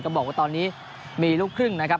บอกว่าตอนนี้มีลูกครึ่งนะครับ